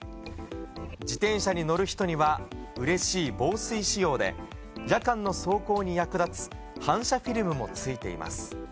自転車に乗る人には、うれしい防水仕様で、夜間の走行に役立つ反射フィルムもついています。